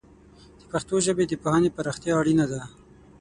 د پښتو ژبې د پوهنې پراختیا اړینه ده.